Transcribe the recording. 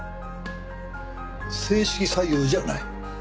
正式採用じゃない。